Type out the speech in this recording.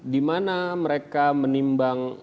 di mana mereka menimbang